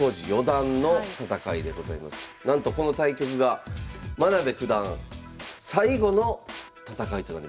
なんとこの対局が真部九段最後の戦いとなります。